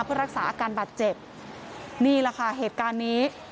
เพื่อรักษาอาการบาดเจ็บนี่แหละค่ะเหตุการณ์นี้